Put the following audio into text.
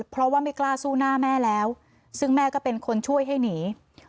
เพราะว่าไม่กล้าสู้หน้าแม่แล้วซึ่งแม่ก็เป็นคนช่วยให้หนี